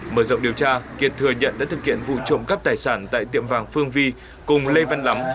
mở rộng điều tra kiệt thừa nhận đã thực hiện vụ trộm cắp tài sản tại tiệm vàng phương vi cùng lê văn lắm